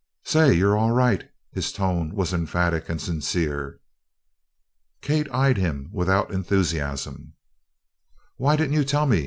"Say you're all right!" His tone was emphatic and sincere. Kate eyed him without enthusiasm. "Why didn't you tell me?"